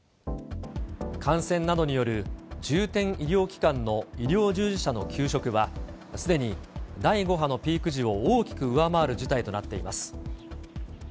感染などによる重点医療機関の医療従事者の休職は、すでに第５波のピーク時を大きく上回る事態となっています。